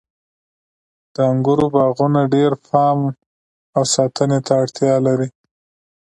د انګورو باغونه ډیر پام او ساتنې ته اړتیا لري.